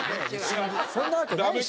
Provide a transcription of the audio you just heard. そんなわけないでしょ。